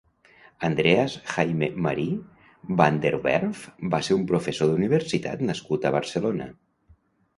Andreas Jaime Marie van der Werf va ser un professor d'universitat nascut a Barcelona.